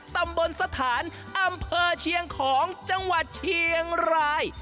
ตำบลสถานอำเภอเชียงของจังหวัดเชียงราย